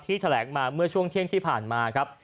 แถลงมาเมื่อช่วงเที่ยงที่ผ่านมาครับ